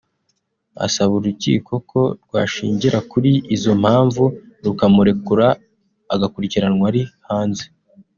asaba urukiko ko rwashingira kuri izo mpamvu rukamurekura agakurikiranwa ari hanze